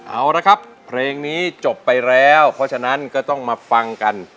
เอาละครับเพลงนี้จบไปแล้วเพราะฉะนั้นก็ต้องมาฟังกัน